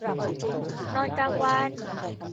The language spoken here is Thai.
นอนกลางวัน